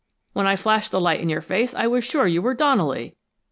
When I flashed the light in your face I was sure you were Donnelley!"